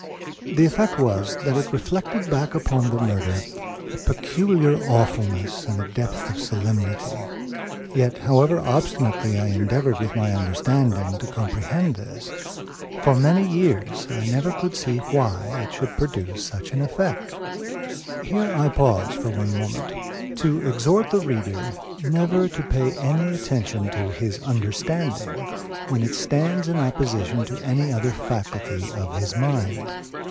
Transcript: The effect was, that it reflected back upon the murder a peculiar awfulness and a depth of solemnity; yet, however obstinately I endeavored with my understanding to comprehend this, for many years I never could see why it should produce such an effect. Here I pause for one moment, to exhort the reader never to pay any attention to his understanding when it stands in opposition to any other faculty of his mind.